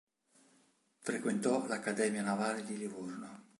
Frequentò l'Accademia Navale di Livorno.